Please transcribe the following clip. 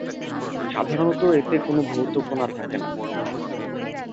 সাধারণত এতে কোনো ভৌত কণা থাকে না।